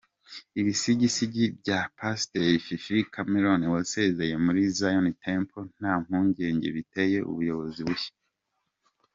Ibisigisigi bya Pasiteri Fifi Cameron wasezeye muri Zion Temple nta mpungenge biteye ubuyobozi bushya.